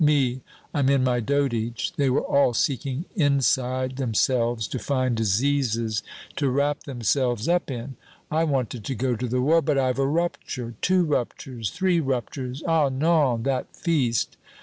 Me, I'm in my dotage.' They were all seeking inside themselves to find diseases to wrap themselves up in 'I wanted to go to the war, but I've a rupture, two ruptures, three ruptures.' Ah, non, that feast!